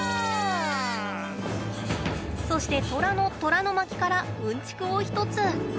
そして、トラの虎の巻からうんちくを１つ。